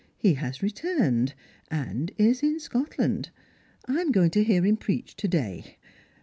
He has returned, and is in Scotland. I am going to hear him preach to day.